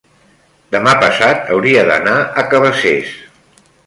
demà passat hauria d'anar a Cabacés.